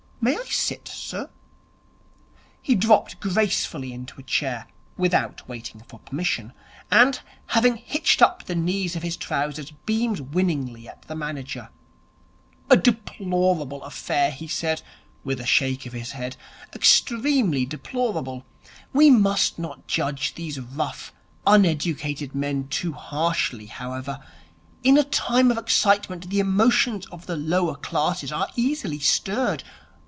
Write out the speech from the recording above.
'May I sit, sir?' He dropped gracefully into a chair, without waiting for permission, and, having hitched up the knees of his trousers, beamed winningly at the manager. 'A deplorable affair,' he said, with a shake of his head. 'Extremely deplorable. We must not judge these rough, uneducated men too harshly, however. In a time of excitement the emotions of the lower classes are easily stirred.